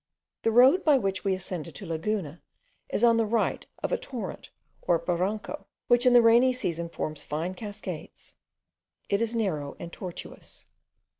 The road by which we ascended to Laguna is on the right of a torrent, or baranco, which in the rainy season forms fine cascades; it is narrow and tortuous.